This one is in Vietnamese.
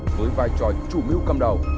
với vai trò chủ mưu cầm đầu